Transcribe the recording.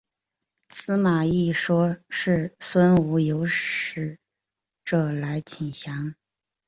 司马懿说是孙吴有使者来请降。